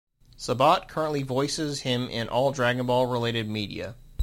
Sabat currently voices him in all "Dragon Ball" related media.